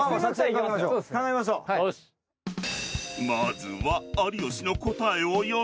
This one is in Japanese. ［まずは］